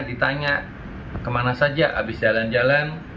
ditanya kemana saja habis jalan jalan